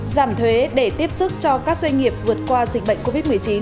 giảm thuế để tiếp sức cho các doanh nghiệp vượt qua dịch bệnh covid một mươi chín